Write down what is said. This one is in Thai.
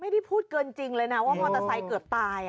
ไม่ได้พูดเกินจริงเลยนะว่ามอเตอร์ไซค์เกือบตาย